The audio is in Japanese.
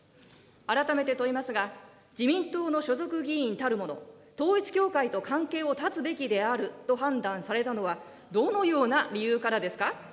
改めて問いますが、自民党の所属議員たるもの、統一教会と関係を断つべきであると判断されたのは、どのような理由からですか。